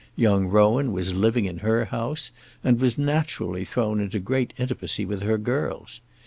Young Rowan was living in her house, and was naturally thrown into great intimacy with her girls.